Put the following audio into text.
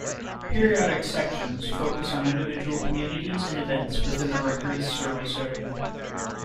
Periodic sections focus on individual communities and events within the Record's service area.